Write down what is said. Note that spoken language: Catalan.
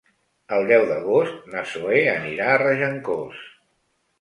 El deu d'agost na Zoè anirà a Regencós.